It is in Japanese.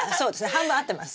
半分合ってます。